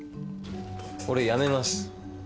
俺辞めます